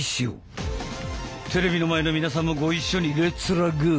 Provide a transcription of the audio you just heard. テレビの前の皆さんもご一緒にレッツラゴー！